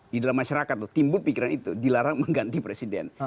di dalam masyarakat tuh timbul pikiran itu dilarang mengganti presiden